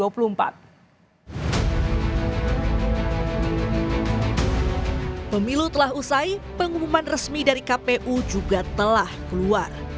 pemilu telah usai pengumuman resmi dari kpu juga telah keluar